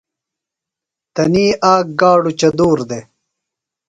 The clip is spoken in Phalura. تنی آک گاڈُوۡ چدُور دےۡ۔